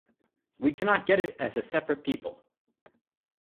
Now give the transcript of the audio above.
We cannot get it as a separate people.